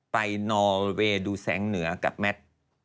นอเวย์ดูแสงเหนือกับแมท